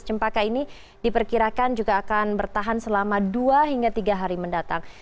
cempaka ini diperkirakan juga akan bertahan selama dua hingga tiga hari mendatang